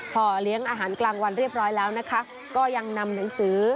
พอเลี้ยงอาหารกลางวันเรียบร้อยแล้วนะคะก็ยังนำหนังสือ